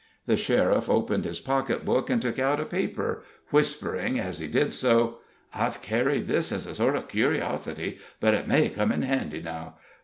The sheriff opened his pocketbook and took out a paper, whispering as he did so: "I've carried this as a sort of a curiosity, but it may come in handy now.